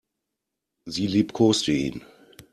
Sie liebkoste ihn.